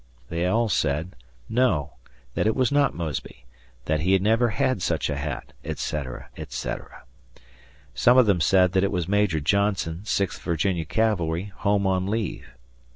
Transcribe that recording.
They all said "No," that it was not Mosby, that he never had such a hat etc., etc. Some of them said it was Major Johnson, Sixth Virginia Cavalry, home on leave.